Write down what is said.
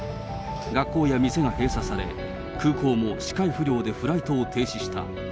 学校や店が閉鎖され、空港も視界不良でフライトを停止した。